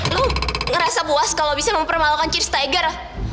lo ngerasa puas kalau bisa mempermalukan cheers tiger